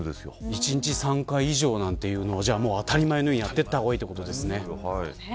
１日３回以上なんていうのは当たり前のようにやった方がいいということですね。